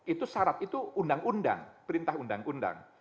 itu syarat itu undang undang perintah undang undang